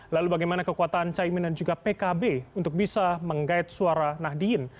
lalu bagaimana kekuatan caimin dan juga pkb untuk bisa menggait suara nahdien